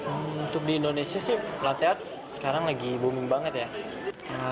untuk di indonesia sih pelatihan sekarang lagi booming banget ya